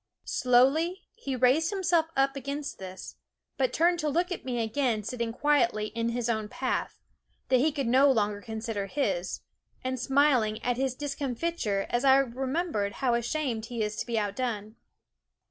Slowly he raised himself against this, but turned to look at me again sitting quietly in his own path that he could no longer con sider his and smiling at his discomfiture as I remember how ashamed he is to be outdone.